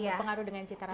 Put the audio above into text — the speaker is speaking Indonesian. berpengaruh dengan cita cita